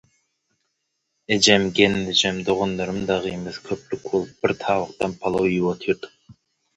Ejem, gelnejem, doganlarym dagymyz köplük bolup bir tabakdan palaw iýip otyrdyk.